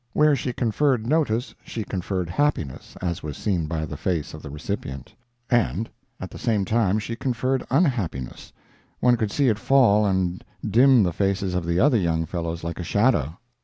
Where she conferred notice she conferred happiness, as was seen by the face of the recipient; and at the same time she conferred unhappiness—one could see it fall and dim the faces of the other young fellows like a shadow.